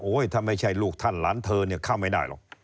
ถ้าไม่ใช่ลูกท่านหลานเธอเนี่ยเข้าไม่ได้หรอก